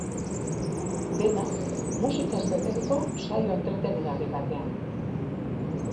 Dena musikaz beteriko saio entretenigarri batean.